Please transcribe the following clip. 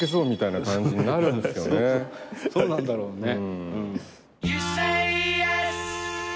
そうなんだろうね。